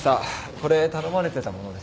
これ頼まれてたものです。